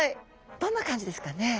どんな感じですかね？